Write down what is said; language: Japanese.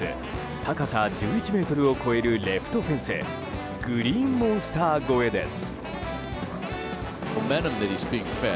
高さ１１ｍを超えるレフトフェンスグリーンモンスター超えです。